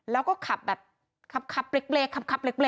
แล้วก็ขับแบบขับเบรกอ่ะ